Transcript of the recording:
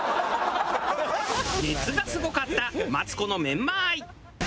熱がすごかったマツコのメンマ愛。